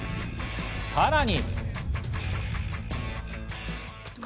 さらに。